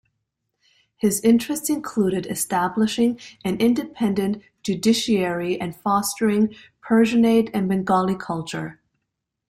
His interests included establishing an independent judiciary and fostering Persianate and Bengali culture.